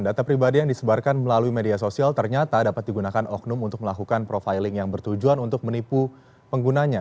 data pribadi yang disebarkan melalui media sosial ternyata dapat digunakan oknum untuk melakukan profiling yang bertujuan untuk menipu penggunanya